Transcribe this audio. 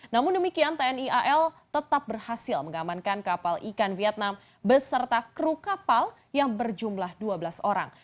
namun demikian tni al tetap berhasil mengamankan kapal ikan vietnam beserta kru kapal yang berjumlah dua belas orang